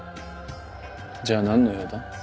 じゃあ何の用だ？